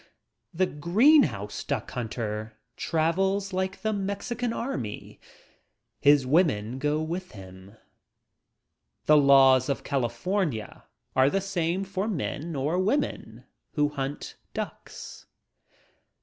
The green house duck hunter travels like the Mexican army. His women go with him. The laws of California are the same for men or women who hunt ducks.